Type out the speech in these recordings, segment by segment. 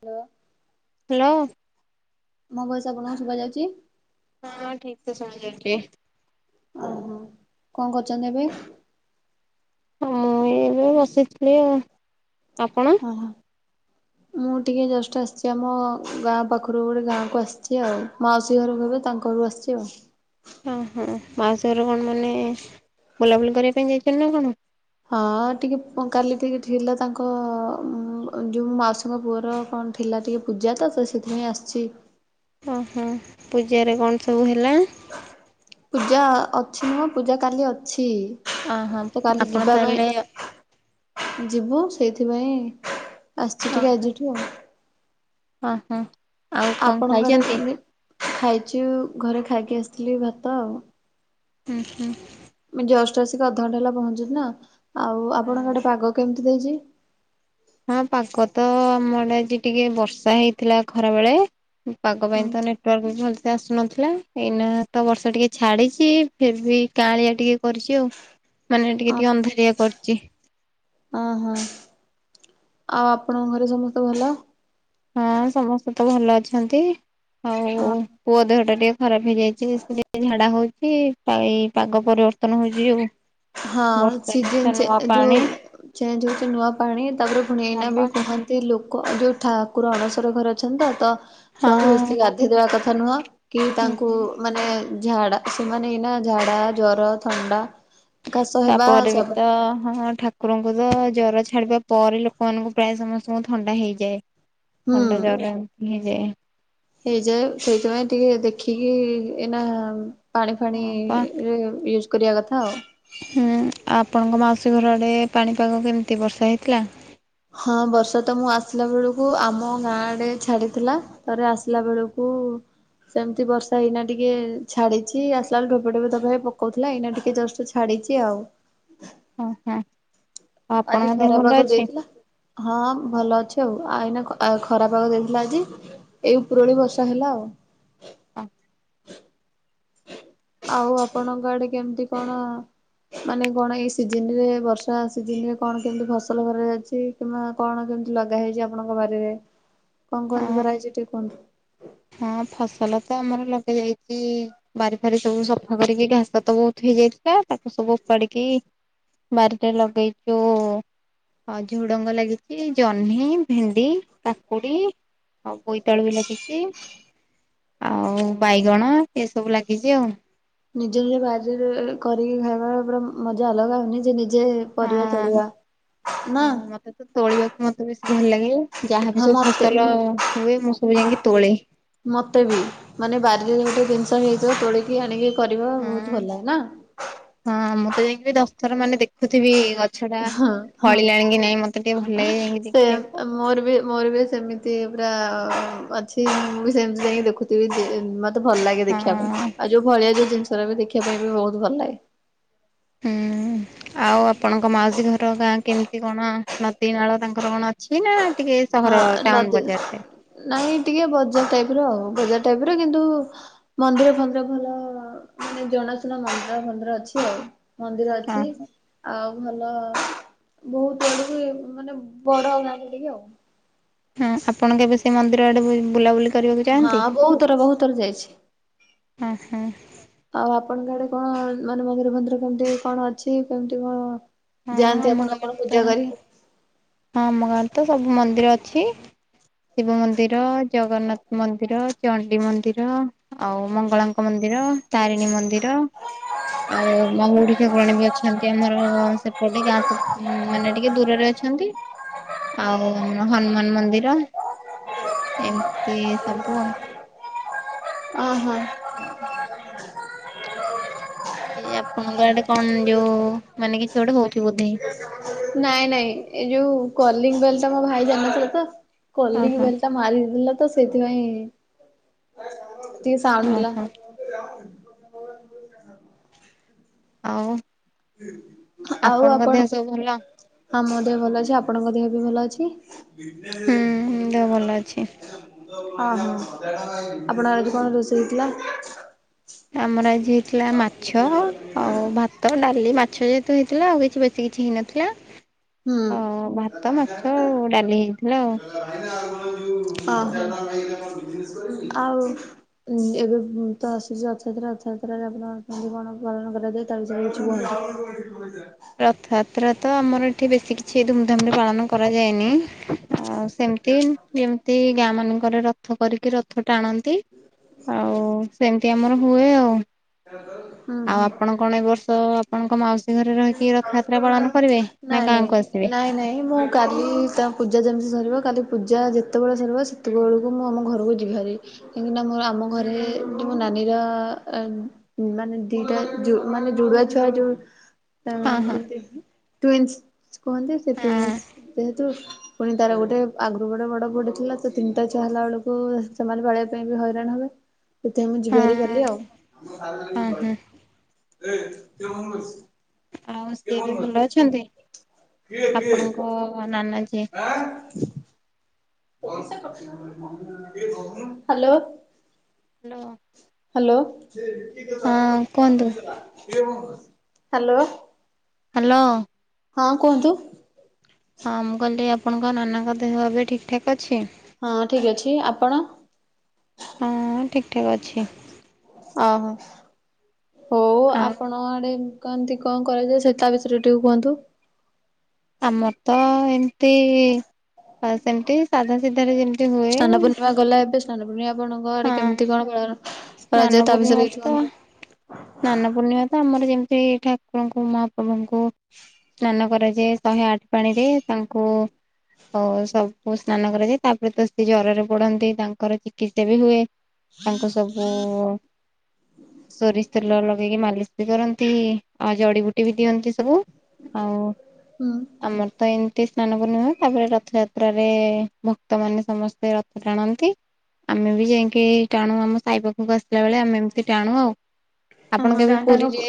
ତ। ହାଲୋ। ମୋ ଭଏସ ଆପଣଙ୍କୁ ଶୁବା ଯାଉଚି? ହଁ ଠିକ୍ ସେ ଶୁଣା ଯାଉଚି। ଓହୋ କଣ କରୁଚନ୍ତି ଏବେ? ହଁ ମୁଁ ଏଇ ଏବେ ବସିଥିଲି ଆଉ। ଆପଣ? ଓ ହୋ। ମୁଁ ଟିକିଏ ଜଷ୍ଟ ଆସିଚି ଆମ ଗାଁ ପାଖରୁ ଗୋଟଏ ଗାଁକୁ ଆସିଚି ଆଉ। ମାଉସୀ ଘର ହେବେ ତାଙ୍କ ଘରୁ ଆସିଚି ଆଉ। ଓହୋ ମାଉସି ଘର କଣ ମାନେ ବୁଲାବୁଲି କରିବା ପାଇଁ ଯାଇଚନ୍ତି ନା କଣ? ହଁ ଟିକେ କାଲି ଟିକେ ଥିଲା ତାଙ୍କ ଯୋଉ ମାଉସୀଙ୍କ ପୁଅର କଣ ଥି ଥିଲା ଟିକେ ପୂଜା ତ, ତ ସେଥିପାଇଁ ଆସିଚି। ଓହୋ ପୂଜାରେ କଣ ସବୁ ହେଲା? ପୂଜା ଅଛି ନୁହଁ ପୂଜା କାଲି ଅଛି। ଅଁ ହଁ ତ କାଲି ଆପଣ ଯିବା ପାଇଁ ତାହେଲେ ଯିବୁ ସେଇଥିପାଇଁ ଆସିଚି ଟିକେ ଆଜିଠୁ ଆଉ। ଅ ହ ଆଉ କଣ ଖାଇଚନ୍ତି? ଖାଇଚୁ ଘରେ ଖାଇକି ଆସିଥିଲି ଭାତ ଆଉ। ଉଁ ହୁଁ। ଯଷ୍ଟ ଆସିକି ଅଧଘଣ୍ଟା ହେଲା ପହଞ୍ଚୁଚି ନା ଆଉ ଆପଣଙ୍କ ଆଡେ ପାଗ କେମିତି ଦେଇଚି? ହଁ ପାଗ ତ ଆମ‌ ଆଡେ ଆଜି ଟିକେ ବର୍ଷା ହେଇଥିଲା ଖରା ବେଳେ। ପାଗ ପାଇଁ ତ ନେ ଟୱାର୍କ ବି ଭଲସେ ଆସୁନଥିଲା ଏଇନା ତ ବର୍ଷା ଟିକେ ଛାଡିଚି ଫିର୍ ବି କାଁଳିଆ ଟିକେ କରିଚି ଆଉ ମାନେ ଟିକେ ଟିକେ ଅନ୍ଧାରିଆ କରିଚି। ଅଁ ହଁ ଆଉ ଆପଣଙ୍କ ଘରେ ସମସ୍ତେ ଭଲ? ହଁ ସମସ୍ତେ ତ ଭଲ ଅଛନ୍ତି। ଆଉ ପୁଅ ଦେହଟା ଟିକେ ଖରାପ ହେଇଯାଇଚି ଟିକେ ଝାଡା ହୋଉଚି ପାଗ ପରିବ ର୍ତ୍ତନ ହେଉଚି ଯୋଉ। ହଁ ବର୍ଷା ବର୍ଷା ସିଜନ ଚେ ନୂଆ ପାଣି ଯୋଉ ଚେଞ୍ଜ ହୋଉଚୁ ନୂଆ ପାଣି ତାପରେ ଫୁଣି ହଁ ଏଇନା ପା ବି କୁହନି ସେଇ ଲୋକ ଯୋଉ ଠାକୁର ଅଣସର ଘର ଅଛନ୍ତି ତ। ତ ଛୁଆଙ୍କୁ ହଁ। ବେଶି ଗାଧୋଇ ଦବା କଥା ନୁହଁ କି ହୁଁ ତାଙ୍କୁ ମାନେ ଝାଡ଼ା ସେମାନେ ଏଇନା ଝାଡ଼ା ଜର ଥଣ୍ଡା କାଶ ହେବା ତାପରେ ସବୁ ତ ହଁ ଠା ଠାକୁରଙ୍କୁ ତ ଜର ଛାଡିବା ପରେ ଲୋକମାନଙ୍କୁ ପ୍ରାୟ ସମସ୍ତଙ୍କୁ ଥଣ୍ଡା ହେଇଯାଏ। ଥଣ୍ଡା ହୁଁ ଜର ଏମିତି ହେଇଯାଏ। ହେଇଯାଏ ସେଇଥିପାଇଁ ଟିକେ ଦେଖିକି ଏଇନା ପାଣି ହଁ ପା ଫାଣିରେ ୟୁଜ କରିବା କଥା ଆଉ। ହୁଁ ଆପଣଙ୍କ ମାଉସୀ ଘର ଆଡେ ପାଣିପାଗ କେମିତି ବର୍ଷା ହେଇଥିଲା। ହଁ ବର୍ଷା ତ ମୁଁ ଆସିଲା ବେଳକୁ ଆମ ଗାଁ ଆଡେ ଛାଡିଥିଲା। ତାପରେ ଆସିଲା ବେଳକୁ ସେମିତି ବର୍ଷା ଏଇନା ଟିକେ ଛାଡିଚି ଆସିଲାବେଳେ ଠୋପେ ଠୋପେ ପକୋଉଥିଲା ଏଇନା ଟିକେ ଜଷ୍ଟ ଛାଡିଚି ଆଉ। ଓ ହଁ ଆଉ ଆଜି ଆପଣଙ୍କ ଦେହ ଖରା ଭଲ ପାଗ ଅଛି? ଦେଇଥିଲା। ହଁ ଭଲ ଅଛି ଆଉ ଆ ଏଇନା ଖ ଆ ଖରାପ ପାଗ ଦେଇଥିଲା ଆଜି ଏଇ ଉପରବୋଳି ବର୍ଷା ହେଲା ଆଉ। ହ ଆଉ ଆପଣଙ୍କ ଆଡେ କେମିତି କଣ ମାନେ କଣ ଏଇ ସିଜିନରେ ବର୍ଷା ସିଜନରେ କଣ କେମତି ଫସଲ କରାଯାଉଚି। କିମ୍ବା କଣ କେମିତି ଲଗା ହେଇଚି। ଆପଣଙ୍କ ବାରିରେ କଣ କୁହନ୍ତୁ ହଁ କରା ହେଇଚି ଟିକେ କୁହନ୍ତୁ। ହଁ ଫସଲ ତ ଆମର ଲଗା ଯାଇଚି ବାରି ଫାରି ସବୁ ସଫା କରିକି ଘା ସ ତ ବୋହୁତ ହେଇଯାଇଥିଲା ତାକୁ ସବୁା ଓପାଡିକି ବାରିରେ ଲଗେଇଚୁ ହଁ ଝୁଡଙ୍ଗ ଲାଗିଛି ଜହ୍ନି ଭେଣ୍ଡି କାକୁଡି ଆଉ ବୋଇତାଳ ବି ଲାଗିଛି ଆଉ ବାଇଗଣ ଏସବୁ ଲାଗିଛି ଆଉ ନିଜ ନିଜ ବାାରରେ କରିକି ଖାଇବା ପୁରା ମଜା ଅଲଗା ହଉନି ସେ ନିଜେ ପରିବା ହଁ ଚଳିବା ହଁ ନା ମତେ ତୋଳିବାକୁ ମତେ ବେଶ ଭଲ ଲାଗେ ଯାହାବି ହଁ ସବୁ ମତେ ଫସଲ ହୁଏ ମୁଁ ସବୁ ଯାଇକି ତୋଳେ ମତେ ବି ମାନେ ବାରିରେ ଗୋଟେ ଜିନିଷ ହେଇଯିବ ତୋଳିକି ଆଣିକି କରିବା ହଁ ବହୁତ ଭଲ ଲାଗେ ନା ହଁ ମୁଁ ତ ଯାଇକି ଦକ୍ଥର ମାନେ ଦେଖୁଥିବି ଗଛ ଟା ହଁ ହଁ। ଫଳିଲାଣିକ କି ନାଇଁ ମତେ ଟିକେ ଭଲ ଲାଗେ ଯାଇକି ସେ ଦେଖିବାକୁ ମୋର ବି ମୋର ବି ସେମିତି ପୁରା ଅଛି ମୁଁ ବି ସେମିତି ଯାଇକି ଦେଖୁଥିବି ବହୁତ ଭଲ ଲାଗେ ହଁ ଦେଖିବା ପାଇଁ ଆଉ ଯୋଉ ଭଳିଆ ଯୋଉ ଜିନିଷ ର ବି ଦେଖିବା ପାଇଁ ବି ବହୁତ ଭଲ ଲାଗେ ହୁଁ ଆଉ ଆପଣଙ୍କ ମାଉସୀ ଘର ଗାଁ କେମିତି କଣ ନଦୀ ନାଳ ତାଙ୍କର କଣ ଅଛି ନା ଟିକେ ହଁ ସହର ଟାଉନ ନଦୀ ବଜାରରେ ନାଇଁ ଟିକେ ବଜାର ଟାଇପ ର ଆଉ ବଜାର ଟାଇପ ର କିନ୍ତୁ ମନ୍ଦିର ଭନ୍ଦିର ଭଲ ମାନେ ଜଣାଶୁଣା ମନ୍ଦିର ଭନ୍ଦିର ଅଛି ଆଉ ମନ୍ଦିର ହଁ। ଅଛି ଆଉ ଭଲ ବହୁତ ଗଡ ମାନେ ବଡ ଗାଁ ବ ଟିକି ଆଉ ହଁ ଆପଣ କେବେ ସେଇ ମନ୍ଦିର ଆଡେ ବୁଲାବୁଲି କରିବାକୁ ହଁ ଯାଆନ୍ତି? ବହୁତ ଥର ବହୁତ ଥର ଯାଇଛି ହଁ ହଁ ଆଉ ଆପଣଙ୍କ ଆଡେ କଣ ମାନେ ମନ୍ଦିରଭନ୍ଦିର କେମିତି କଣ ଅଛି କେମତି କଣ ହଁ ଯାଆନ୍ତି ଆମ ଆପଣ କଣ ଗାଁରେ ତ ପୂଜା ହଁ କରି ଆମ ଗାଁରେ ତ ସବୁ ମନ୍ଦିର ଅଛି ଶିବ ମନ୍ଦିର ଜଗନ୍ନାଥ ମନ୍ଦିର ଚଣ୍ଣ୍ଡୀ ମନ୍ଦିର ଆଉ ମଙ୍ଗଳାଙ୍କ ମନ୍ଦିର ତାରିଣୀ ମନ୍ଦିର ଆଉ ମାହୁଡି ଠାକୁରଣେ ବି ଅଛନ୍ତି ଆମର ସେ କୋଉଠେ ଗାଁ ମାନେ ଟିକେ ଦୂରରେ ଅଛନ୍ତି ଆଉ ଆମର ହନୁମାନ ମନ୍ଦିର ଏମିତି ସବୁ ଓହୋ ଓ ଏ ଆପଣଙ୍କର ଏଟେ କଣ ଯୋଉ ମାନେ କିଛି ଗୋଟେ ହଉଛି ବୋଧି ନାଇଁ ନାଇଁ ଏଇ ଯୋଉ କଲିଙ୍ଗ ବେଲଟ ଟା ମୋ ଭାଇ ଜତଲି ଓହୋ ବେଲଟ ମାରିଦଥିଲା ତ ସେଇଥିପାଇଁ ସେି ସାଉଣ୍ଡ ହେଲା ଓହୋ ଆଉ ଆଉ ଆପଣଙ୍କ ଦେହ ଆପଣ ସବୁ ଭଲ? ହଁ ମୋ ଦେହ ଭଲ ଅଛି ଆପଣଙ୍କ ଦେହ ବି ଭଲ ଅଛି ହୁଁ ଦେହ ଭଲ ଅଛି। ହଁ ହୋ ଆପଣଙ୍କ ଆଜି କଣ ରୋଷେଇ ହେଇଥିଲା ଆମର ଆଜି ହେଇଥିଲା ମାଛ ଆଉ ଭାତ ଡାଲି ମାଛ ଯେହେତୁ ହେଇଥିଲା ଆଉ କିଛି ସେ କିଛି ହେଇନଥିଲା ହ ହ ଭାତ ମାଛ ଆ ଡାଲି ହେଇଥିଲା ଆଉ ଓହୋ ଆଉ ଉଁ ଏବେ ତ ଆସୁଛି ରଥଯାତ୍ରା ରଥଯାତ୍ରାରେ ଆପଣଛନ୍ତି କଣ ପାଳନ କରାଯାଏ ତା ଯାଇ କିଛି ବ ରଥଯାତ୍ରା ତ ଆମର ଏଠି ବେଶୀ କିଛି ଧୁମଧାମ ରେ ପାଳନ କରାଯାଏନି ଆଉ ସେମିତି ଯେମିତି ଗାଁ ମାନଙ୍କରେ ରଥ କରିକି ରଥ ଟାଣନ୍ତି ଆଉ ସେମିତି ଆମର ହୁଏ ଆଉ ହୁଁ ଆଉ ହୁଁ। ଆପଣ କଣ ଏ ବର୍ଷ ଆପଣଙ୍କ ମାଉସୀ ଘରେ ରହିଛି ନାଇଁ ନାଇଁ ନାଇଁ ଆସିବେ? ନାଇଁ ନାଇଁ ମୁଁ କାଲି ତାଙ୍କ ପୂଜା ଯେମିତି ସରିବ କାଲି ପୂଜା ଯେତେବେଳେ ସରିବ ସେତେବେଳକୁ ମୁଁ ଆମ ଘରକୁ ଯିବାରି କାହିଁକିନା ଆମ ଘରେ ମୋ ନାନୀର ମାନେ ଦିଟା ଜୁ ମାନେ ଯଉରା ଛୁଆ ଯୋଉ ତ ହଁ ହଁ। ଟୁନ୍ସ କୁହନ୍ତି ସେ ହଁ ଟୁଇନ୍ସ ଯେହେତୁ ପୁଣି ତାର ଗୋଟେ ଆଗରୁ ଗୋଟେ ବଡ ପୁଅଟେ ଥିଲା ସେ ତିନିଟା ଛୁଆ ହେଲା ବେଳକୁ ସେମାନେ ପାଲେଇବା ପାଇଁ ବି ହଇରାଣ ହବେ। ସେଥିପାଇଁ ମୁଁ ଯିବି ହଁ ହାରି କାଲି ଆଉ। ହଁ ହଁ ଆଉ ସିଏ ବି ଭଲ ଅଛନ୍ତି ଆପଣଙ୍କ ନାନା ଯିଏ? ହ୍ୟାଲୋ। ହ୍ୟାଲୋ। ହ୍ୟାଲୋ ହଁ କୁହନ୍ତୁ ହ୍ୟାଲୋ। ହ୍ୟାଲୋ। ହଁ କୁହନ୍ତୁ? ହଁ ମୁଁ କହିଲି ଆପଣଙ୍କ ନାନାଙ୍କ ଦେହ ଏବେ ଠିକ୍ ଠାକ୍ ଅଛି। ହଁ ଠିକ୍ ଅଛି ଆପଣ? ହଁ ଠିକ ଠାକ ଅଛି। ଅହ ହଉ ଆଉ ଆପଣଙ୍କ ଆଡେ କହନ୍ତି କଣ କରାଯାଏ ସେ ତା ବିଷୟରେ ଟିକେ କୁହନ୍ତୁ? ଆମର ତ ଏମିତି ସେମତି ସାଧା ସିଧ ଯେମ ସ୍ନାନ ପୂର୍ଣ୍ଣିମା ଗଲା ଏବେ ସ୍ନାନ ପୂର୍ଣ୍ଣିମା ଆପଣଙ୍କ ଘରେ ହଁ କେମିତି କଣ ସ୍ନାନ କରାଯାଏ ତା ପୂର୍ଣ୍ଣିମା ବିଷୟରେ କି ତ [unintelligible] ସ୍ନାନ ପୂର୍ଣ୍ଣିମାରେ ତ ଆମର ଯେମିତି ଠାକୁରଙ୍କୁ ମହାପ୍ରଭୁଙ୍କୁ ସ୍ନାନ କରାଯାଏ ଶହେ ଆଠ ପାଣିରେ ତାଙ୍କୁ ଓ ସବୁ ସ୍ନାନ କରାଯାଏ ତାପରେ ତ ସେ ଜ୍ୱରରେ ପଡନ୍ତି ତାଙ୍କର ଚିତ୍ସ [unintelligible] ବି ହୁଏ ତାଙ୍କ ସବୁ ସୋରିଷ ତେଲ ଲଗେଇକି ମାଲିସ ବି କରନ୍ତି ଆଉ ଜଡିିବୁଟି ବି ଦିଅନ୍ତି ସବୁ ଆଉ ହଁ ଆମର ତ ଏମିତି ସ୍ନାନ ପୂର୍ଣ୍ଣିମା ତାପରେ ରଥଯାତ୍ରାରେ ଭକ୍ତମାନେ ସମସ୍ତେ ରଥ ଟାଣନ୍ତି। ଆମେ ବି ଯାଇକି ଟାଣୁ ଆମ ସାଇ ପାଖଙ୍କୁ ଆସିଲା ବେଳେ ଆମେ ଏମିତି ଟାଣୁ ଆଉ। ହଁ ଆପଣ ହଁ କେବେ ଗାଁ ଟାଙ୍କ ପୁ ପୁରୀରେ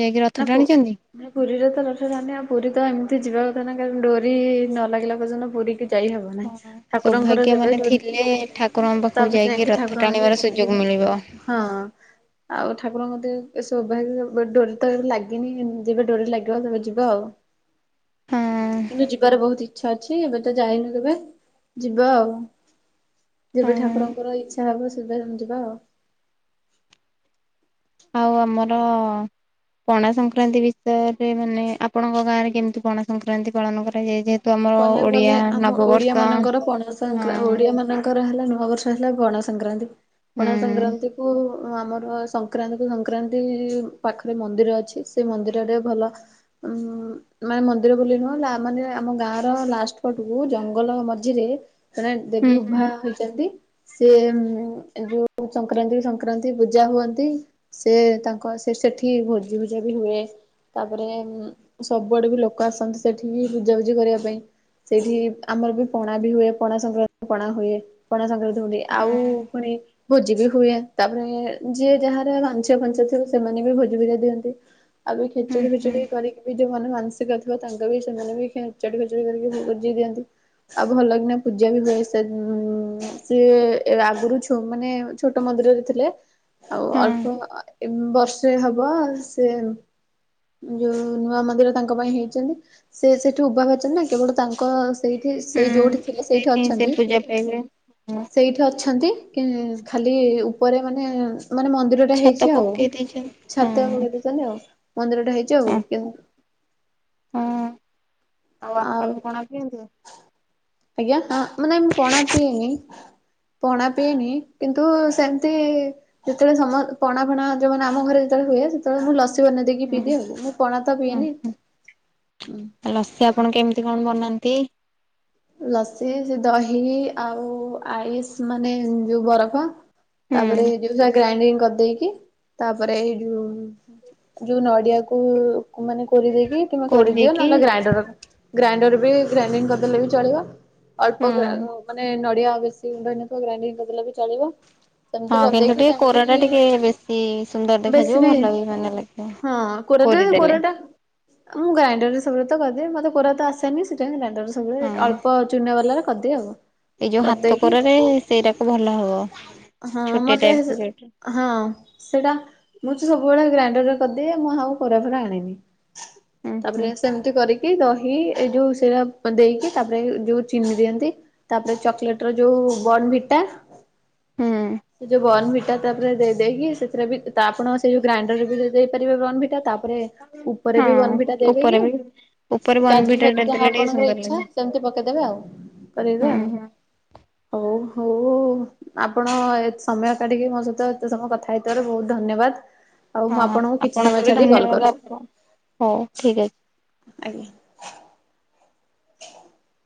ଯାଇକି ରଥ ଟା ଟାଣିଛନ୍ତି? ନ ପୁରୀରେ ତ [unintelligible] ଆଉ ପୁରୀ ତ ଏମିତି ଯିବା କଥା ନାହିଁ କାରଣ ଡୋରି ନ ଲାଗିଲା ପର୍ଯ୍ୟନ୍ତ ପୁରୀ କି ଯାଇ ହବ ନାହିଁ। ହ ଠାକୁରଙ୍କର ସୌଭାଗ୍ୟ ଯେବେ ମାନେ ଡୋରି ଥିଲେ ଠାକୁରଙ୍କ ପାଖକୁ ତାପରେ ଯାଇକି ରଥ ଠାକୁରଙ୍କ ଟାଣିବାର ସୁ ଯୋଗ ମିଳିବ। ହଁ ଆଉ ଠାକୁରଙ୍କ ମତେ ଏ ସୋଭାଗ୍ୟ ବଡୋର ତ ଲାଗିନି ଯେବେ ଡୋରି ଲାଗିବ ତବେ ଯିବା ଆଉ। ହଁ କିନ୍ତୁ ଯିବାର ବହୁତ ଇଛା ଅଛି ଏବେ ତ ଯାଇନୁ କେବେ ଯିବା ଆଉ। ଯେବେ ହଁ ଠାକୁରଙ୍କର ଇଚ୍ଛା ହବ ସେବେ ଯିବା ଆଉ। ଆଉ ଆମର ପଣା ସଂକ୍ରାନ୍ତି ବିଷୟରେ ସେମାନେ ଆପଣଙ୍କ ଗାଁ ରେ କେମିତି ପଣାସଂକ୍ରାନ୍ତି ପାଳନ କରାଯାଏ ଯେହେତୁ ଆମର କହିବାକୁ ଗଲେ ଓଡିଆ ଆମ ଓଡିଆ ନବବର୍ଷ ମାନଙ୍କର ପଣା ସ ହଁ ଓଡିଆ ମାନଙ୍କ କରା ହେଲା ନୂଆବର୍ଷ ହେଲା ଗଣା ସଂକ୍ରାନ୍ତି ହୁଁ ଗଣା ସଂକ୍ରାନ୍ତିକୁ ଆମର ସଂକ୍ରାନ୍ତିକୁ ସଂକ୍ରାନ୍ତି ପାଖରେ ମନ୍ଦିର ଅଛି ସେ ମନ୍ଦିରରେ ଭଲ ଉଁ ମାନେ ମନ୍ଦିର ବୋଲି ନୁହଁ ନା ମାନେ ଆମ ଗାଁ ର ଲାଷ୍ଟ ପଟକୁ ଜଙ୍ଗଲ ମଝିରେ ଜଣେ ହୁଁ ଦେବୀ ଉଭା ହୋଇ ଛନ୍ତି ସିଏ ଯୋଉ ସଂକ୍ରାନ୍ତି ସଂକ୍ରାନ୍ତି ପୂଜା ହୁଅନ୍ତି। ସେ ତାଙ୍କ ସେ ସେଠି ଭୋଜି ଭୁଜା ବି ହୁଏ ତାପରେ ସବୁଆଡେ ବି ଲୋକ ଆସନ୍ତି ସେଠିକି ପୂଜାପୂଜି କରିବା ପାଇଁ। ସେଇଠି ଆମର ବି ପଣା ବି ହୁଏ ପଣା ସଂକ୍ରାନ୍ତି ପଣା ହୁଏ। ପଣା ସଂକ୍ରାନ୍ତି ହଉ ହଁ ଆଉ ପୁଣି ଭୋଜି ବି ହୁଏ ତାପରେ ଯିଏ ଯାହାର ମାନସିକ ଫାନସିକ ଥିବ ସେମାନେ ବି ଭୋଜି ଭୁଜା ଦିଅନ୍ତି। ଆଉ ହୁଁ ଖେଚୁଡ଼ି ହୁଁ ବିଚୁଡି କରିକି ବି ଯୋଉ ମାନେ ମାନସିକ ଥିବ ତାଙ୍କର ବି ସେମାନେ ବି ଖେଚେଡ଼ି ଖେଚେଡ଼ି କରିକି ଭୋଜି ଦିଅନ୍ତି। ଆଉ ଭଲ କିନା ପୂଜା ବି ହୁଏ ସେ ଉଁ ସିଏ ଆଗରୁ ଛୁ ମାନେ ଛୋଟ ମନ୍ଦିରରେ ଥିଲେ ଆଉ ହଁ ଅଳ୍ପ ଅ ବର୍ଷେ ହବ ସେ ଯୋଉ ନୂଆ ମନ୍ଦିର ତାଙ୍କ ପାଇଁ ହେଇଚନ୍ତି। ସେ ସେଠୁ ଉଭା କରିଚନ୍ତି ନା କେବଳ ତାଙ୍କ ସେଇଠି ସେଇ ହୁଁ ଯୋଉଠି ଥିଲେ ସେଇଠି ହିଁ ସେ ଅଛନ୍ତି। ପୂଜା ପାଇବେ। ହଁ ସେଇଠି ଅଛନ୍ତି। କି ଖାଲି ଉପରେ ମାନେ ମାନେ ମନ୍ଦିର ରଟା ଛାତ ହେଇଛି ଆଉ ପକେଇ ଦେଇଛନ୍ତି ହଁ ଛାତ ପକାଇ ଦେଇଛନ୍ତି ଆଉ। ମନ୍ଦିରଟା ହେଇଛି ହଁ। ଆଉ ‌ ହଁ ଆଉ ଆପଣ ପଣା ପିଅନ୍ତି? ଆଜ୍ଞା ହଁ ମାନେ ମୁଁ ପଣା ପିଏନି। ପଣା ପିଇନି କିନ୍ତୁ ସେମିତି ଯେତେବେଳେ ସମ ପଣା ଫଣା ଯୋଉ ମାନେ ଆମ ଘରେ ଯେତେବେଳେ ହୁଏ ସେତେବେଳେ ମୁଁ ଲସ ସି ବନେଇ ଦେଇକି ପିଇଦିଏ ଆଉ ମୁଁ ପଣା ତ ହଁ ପିଏନି। ଲସି ଆପଣ କେମିତି କଣ ବନାନ୍ତି? ଲସି ସେ ଦହି ଆଉ ଆଇସ ମାନେ ଯୋଉ ବରଫ ତାପରେ ହୁଁ ଯୋଉ ଯା ଗ୍ରାଇଣ୍ଡିଙ୍ଗ କରିଦେଇକି ତାପରେ ଏଇ ଯୋଉ ଯୋଉ ନଡିଆକୁ ମାନେ କୋରିଦେଇକି କିମ୍ବା କୋଡିଦିଅ କରିଦେଇକି ନହେଲେ ଗ୍ରାଇଣ୍ଡର ଗ୍ରାଇଣ୍ଡର ବି ଗ୍ରାଇଣ୍ଡିଙ୍ଗ କରିଦେଲେ ବି ଚଳିବ। ହୁଁ। ଅଳ୍ପ ଗ୍ରା ମାନେ ନଡିଆ ବେଶି [unintelligible] ଗ୍ରାଇଣ୍ଡିଙ୍ଗ କରିଦଲେ ବି ଚଳିବ। ସେମିତି ହଁ କିନ୍ତୁ କରିଦେଇକି ଟିକେ ସେମିତି କୋରା ଟା ଟିକେ ବେଶୀ ସୁନ୍ଦର ଦେଖାଯିବ ଭଲ ବି ମାନେ ଲା ହଁ [unintelligible] କୋରାଟା ମୁଁ ଗ୍ରାଇଣ୍ଡରରେ ସବୁବେଳେ ତ କରିଦିଏ ମୋତେ କୋରା ତ ଆସେନି ସେଥିପାଇଁ ଗ୍ରାଇଣ୍ଡର ହଁ ସବୁବେଳେ ଅଳ୍ପ ଚୁନା ବାଲାରେ କରିଦିଏ। ଆଉ ଏଇ ଯୋଉ ହାତ କରିଦେଇକି କୋରାରେ ସେଇଡାକ ଭଲ ହବ ହଁ ଛୋଟିଆ ମତେ ଟାଇପ ର ଯୋଉଟା ହଁ ସେଇଟା ମୁଁ ତ ସବୁବେଳେ ଗ୍ରାଇଣ୍ଡରରେ କରିଦିଏ। ମୁଁ ଆଉ କୋରା ଫୋରା ଆଣେନି। ହୁଁ ହୁଁ ତାପରେ ସେମିତି କରିକି ଦହି ଏଇ ଯୋଉ ସେଉଡା ଦେଇକି ତାପରେ ଯୋଉ ଚିନି ଦିଅନ୍ତି। ତାପରେ ଚକୋଲେଟ୍ ର ଯୋଉ ବଣ୍ଣଭିଟା ହୁଁ ସେ ଯୋଉ ବଣ୍ଣଭିଟ ଟା ତାପରେ ଦେଇେଇକି ସେଥିରେ ବି ତା ଆପଣ ସେଇ ଯୋଉ ଗ୍ରାଇଣ୍ଡରରେ ବି ଦେଇପାରିବେ ବଣ୍ଣଭିିଟା ତାପରେ ଉପରେ ବି ବଣ୍ଣଭିିଟା ହଁ ଦେବେ ଉପରେ କି ବି ଉପରେ କାଜୁ ବନଭିଟା ଟା ଫାଜୁ ଦେଲେ ଯାହା ଟିକେ ଆପଣଙ୍କର ସୁନ୍ଦର ଇଚ୍ଛା ଲାଗେ। ସେମିତି ପକେଇଦବେ ଆଉ ହୁଁ କରିଦେବେ ଆଉ ହୁଁ ହଉ ହଉ ଆପଣ ଏତ୍ ସମୟ କାଢକି ମୋ ସହିତ ଏତେ ସମୟ କଥା ହେଇଥିବାରୁ ବହୁତ ଧନ୍ୟବାଦ୍। ଆଉ ମୁଁ ହଁ ଆପଣଙ୍କୁ କିଛି ସମୟ ବି ଛାଡିି କଲ୍ ଧନ୍ୟବାଦ ଆପଣ ହଉ କରୁଚି। ଠିକ ଅଛି। [inaudible]